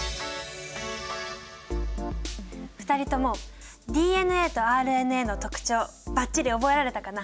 ２人ともＤＮＡとＲＮＡの特徴バッチリ覚えられたかな？